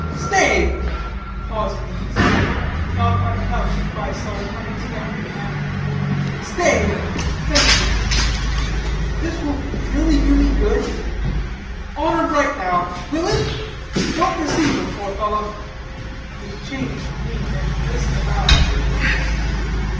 "Stay," pausing in his swing, not untouched by so unexpected an act; "stay thank'ee but will this really do me good? Honor bright, now; will it? Don't deceive a poor fellow," with changed mien and glistening eye.